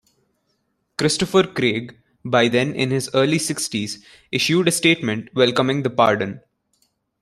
Christopher Craig, by then in his early sixties, issued a statement welcoming the pardon.